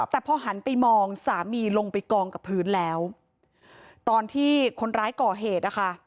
แต่พอหันไปมองสามีลงไปกองกับพื้นแล้วตอนที่คนร้ายก่อเหตุนะคะ